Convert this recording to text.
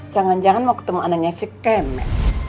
jangan jangan mau ketemu anaknya si keme